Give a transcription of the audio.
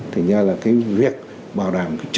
thì nha là cái việc bảo đảm trật tự